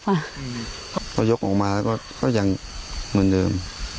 พอยกออกมาก็ยังเหมือนเดิม